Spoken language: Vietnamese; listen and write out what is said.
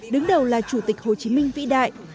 đứng đầu là chủ tịch hồ chí minh vĩ đại